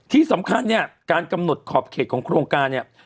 ที่สำคัญเนี่ยการกำหนดขอบเขตของโครงการเนี่ย